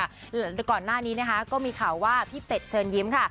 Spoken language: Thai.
แต่ก่อนหน้านี้นะคะก็มีข่าวว่าพี่เป็ดเชิญยิ้มค่ะ